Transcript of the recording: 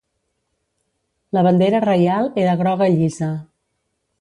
La bandera reial era groga llisa.